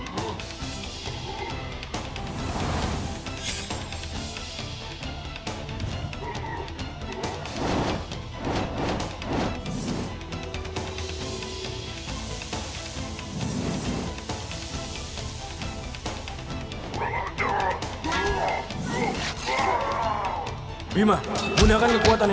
gue menunggu kamu